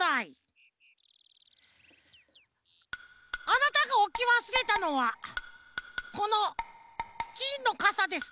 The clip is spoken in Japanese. あなたがおきわすれたのはこのきんのかさですか？